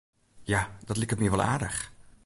Ja, dat liket my wol aardich.